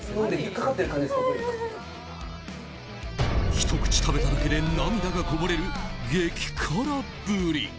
ひと口食べただけで涙がこぼれる激辛ぶり。